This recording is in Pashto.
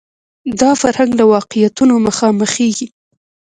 دا فرهنګ له واقعیتونو مخامخېږي